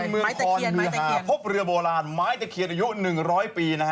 คนมืนธรพบเรือโบราณไม้ตะเคียนอายุ๑๐๐ปี